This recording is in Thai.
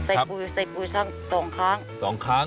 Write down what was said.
ซ่อยปุ๋ยซ่อยปุ๋ยต้องส่งค้าง